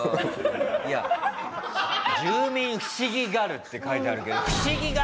いや「住民、不思議がる」って書いてあるけど。